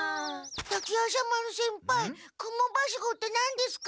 滝夜叉丸先輩クモバシゴって何ですか？